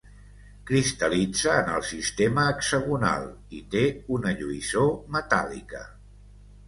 Cristal·litza en el sistema hexagonal, i té una lluïssor metàl·lica.